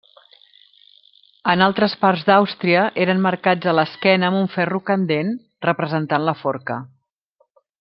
En altres parts d'Àustria eren marcats a l'esquena amb un ferro candent, representant la forca.